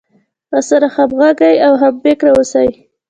راسره همغږى او هم فکره اوسي.